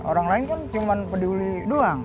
orang lain kan cuma peduli doang